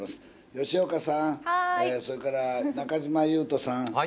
吉岡さん、それから中島裕翔さん